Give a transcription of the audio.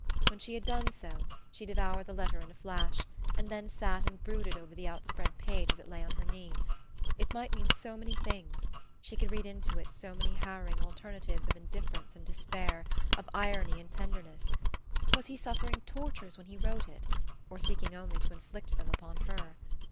When she had done so, she devoured the letter in a flash, and then sat and brooded over the outspread page as it lay on her knee. It might mean so many things she could read into it so many harrowing alternatives of indifference and despair, of irony and tenderness! Was he suffering tortures when he wrote it, or seeking only to inflict them upon her?